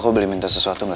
aku beli minta sesuatu gak